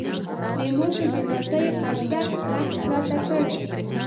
د مور پر جنازه یې قرصک رقص راته کړی.